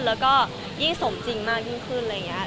แล้วยิ่งสมจริงมากยิ่งขึ้นอะไรเงี้ย